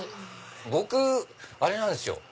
僕あれなんですよ